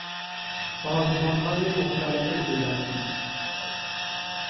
سازمانهای مختلف دولتی